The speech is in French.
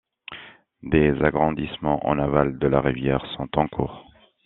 Des agrandissements en aval de la rivière sont en cours.